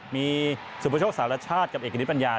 มีสุปโชคสารชาติกับเอกณิตปัญญา